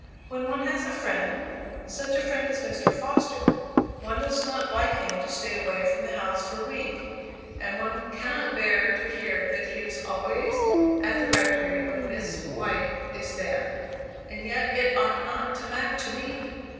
"When one has a friend such a friend as Mr. Foster one does not like him to stay away from the house for a week; and one cannot bear to hear that he is always at the rectory when Miss White is there! And yet it ought not to matter to me!"